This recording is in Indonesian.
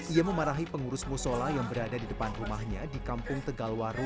ia memarahi pengurus musola yang berada di depan rumahnya di kampung tegalwaru